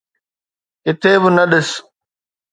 ڪٿي به نه ڏس